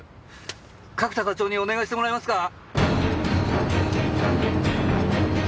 角田課長にお願いしてもらえますか？